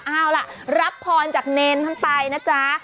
เอาล่ะรับพรจากเนรท่านไปนะจ๊ะ